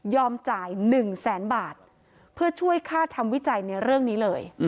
จ่าย๑แสนบาทเพื่อช่วยค่าทำวิจัยในเรื่องนี้เลย